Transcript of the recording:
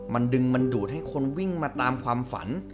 มันดึงมันดูดให้คนวิ่งมาตามความฝัน